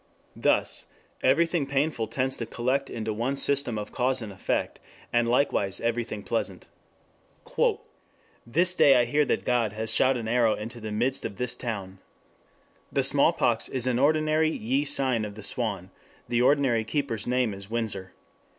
Thus everything painful tends to collect into one system of cause and effect, and likewise everything pleasant. "IId IIm (1675) This day I hear that G[od] has shot an arrow into the midst of this Town. The small pox is in an ordinary ye sign of the Swan, the ordinary Keepers name is Windsor.